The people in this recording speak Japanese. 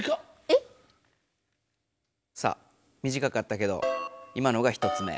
えっ？さあみじかかったけど今のが１つ目。